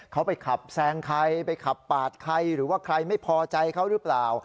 เขาไปขับแซงใครไปขับปาดใครหรือว่าใครไม่พอใจเขาหรือเปล่า